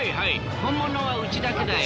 本物はうちだけだよ。